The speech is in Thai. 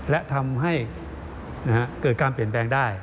และทำให้เกิดการเปลี่ยนแปลงได้